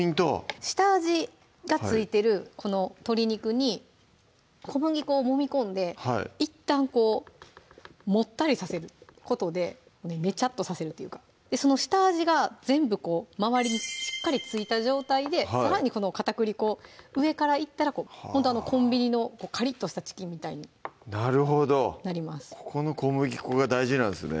下味が付いてるこの鶏肉に小麦粉をもみ込んでいったんモッタリさせることでネチャッとさせるっていうかその下味が全部周りにしっかり付いた状態でさらにこの片栗粉を上からいったらほんとコンビニのカリッとしたチキンみたいになるほどここの小麦粉が大事なんですね